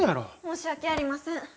申し訳ありません。